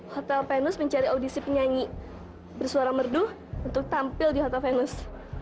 hotel venus mencari audisi penyanyi bersuara merdu untuk tampil di hotel venus